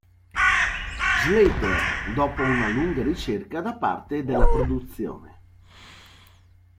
Slater dopo una lunga ricerca da parte della produzione.